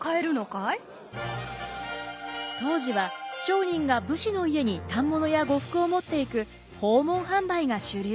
当時は商人が武士の家に反物や呉服を持っていく訪問販売が主流。